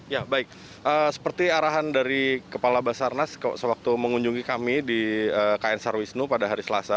ya baik seperti arahan dari kepala basarnas sewaktu mengunjungi kami di kn sarwisnu pada hari selasa